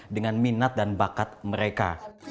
dengan minat dan bakat mereka